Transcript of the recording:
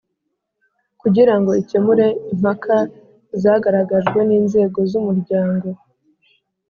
kugira ngo ikemure impaka zagaragajwe n’inzego z’Umuryango